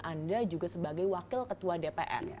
anda juga sebagai wakil ketua dpr ya